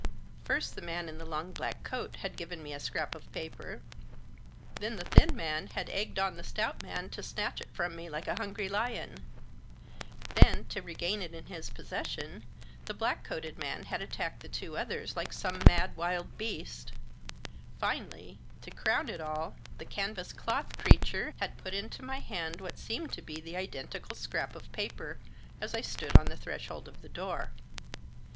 First the man in the long black coat had given me a scrap of paper ; then the thin man had egged on the stout man to snatch it from me like a hungry lion ; then, to regain it in his possession the black coated man had attacked the two others like some mad wild beast ; finally, to crown all, the canvas cloth creature had put into my hand what seemed to be the identical scrap of paper as I stood on the threshold of the door.